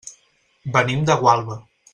Venim de Gualba.